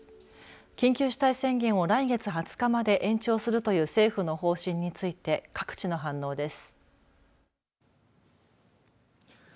緊急事態宣言を来月２０日まで延長するという政府の方針について各地の反応です。